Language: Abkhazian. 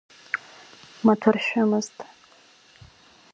Маҭәа ршәымызт.